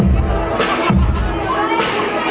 ไม่ต้องถามไม่ต้องถาม